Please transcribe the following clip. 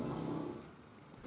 jadi ini sudah bergantian